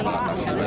di jepang selalu ada